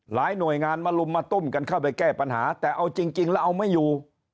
หน่วยงานมาลุมมาตุ้มกันเข้าไปแก้ปัญหาแต่เอาจริงแล้วเอาไม่อยู่